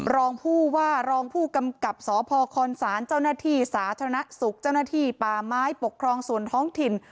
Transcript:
รองผู้ว่ารองผู้กำกับสพคศเจ้าหน้าที่สาธารณสุขเจ้าหน้าที่ป่าไม้ปกครองส่วนท้องถิ่น